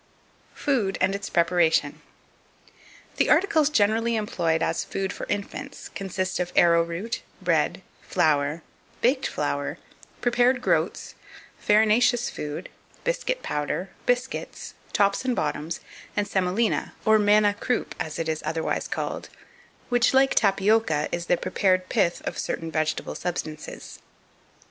Food, and its Preparation. 2499. The articles generally employed as food for infants consist of arrowroot, bread, flour, baked flour, prepared groats, farinaceous food, biscuit powder, biscuits, tops and bottoms, and semolina, or manna croup, as it is otherwise called, which, like tapioca, is the prepared pith of certain vegetable substances.